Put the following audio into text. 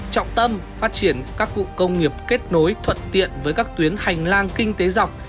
trọng tâm phát triển các cụ công nghiệp kết nối thuận tiện với các tuyến hành lang kinh tế dọc